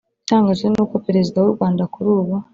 Igitangaje ni uko Perezida w’u Rwanda kuri ubu